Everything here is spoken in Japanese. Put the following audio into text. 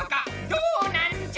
どうなんじゃ！